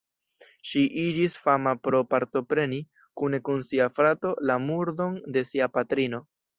Ŝi iĝis fama pro partopreni, kune kun sia frato, la murdon de sia patrino.